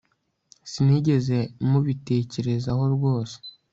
Sinigeze mubitekerezaho rwose